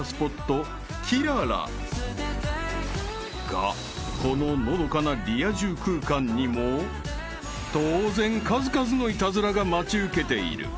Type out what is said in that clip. ［がこののどかなリア充空間にも当然数々のイタズラが待ち受けている］